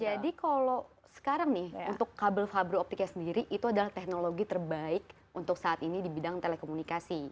jadi kalau sekarang nih untuk kabel fiber opticnya sendiri itu adalah teknologi terbaik untuk saat ini di bidang telekomunikasi